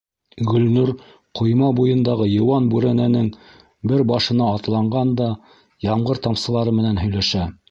Гөлнур ҡойма буйындағы йыуан бүрәнәнең бер башына атланған да ямғыр тамсылары менән һөйләшә.